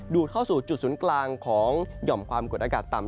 เข้าสู่จุดศูนย์กลางของหย่อมความกดอากาศต่ำ